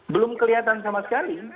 belum kelihatan sama sekali